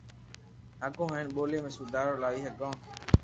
ھگو ھين ٻولي ۾ سودا رو لاوي ھگي